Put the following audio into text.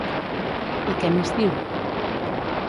I què més diu?